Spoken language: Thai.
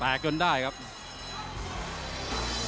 ฝ่ายทั้งเมืองนี้มันตีโต้หรืออีโต้